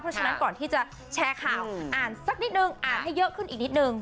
เพราะฉะนั้นก่อนที่จะแชร์ข่าวอ่านสักนิดนึงอ่านให้เยอะขึ้นอีกนิดนึง